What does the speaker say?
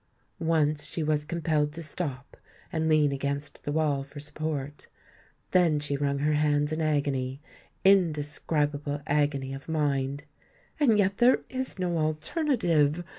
Once she was compelled to stop and lean against the wall for support. Then she wrung her hands in agony—indescribable agony of mind. "And yet there is no alternative!"